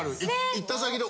行った先で。